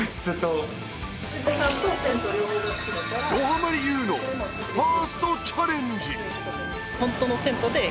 どハマりＹＯＵのファーストチャレンジ